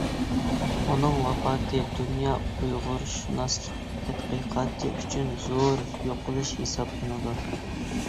ئۇنىڭ ۋاپاتى دۇنيا ئۇيغۇرشۇناسلىق تەتقىقاتى ئۈچۈن زور يوقىلىش ھېسابلىنىدۇ.